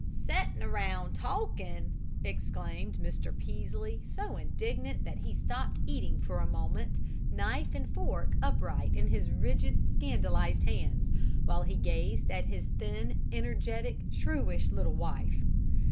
"'Settin' round an' talkin'!'" exclaimed Mr. Peaslee, so indignantly that he stopped eating for a moment, knife and fork upright in his rigid, scandalized hands, while he gazed at his thin, energetic, shrewish little wife.